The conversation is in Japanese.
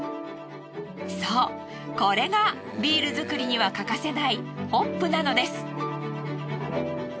そうこれがビール作りには欠かせないホップなのです。